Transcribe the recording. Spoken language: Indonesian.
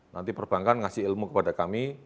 nanti perbankan ngasih ilmu kepada kami